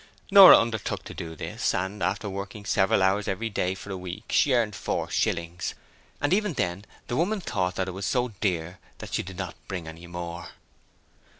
Nora undertook to do this, and after working several hours every day for a week she earned four shillings: and even then the woman thought it was so dear that she did not bring any more.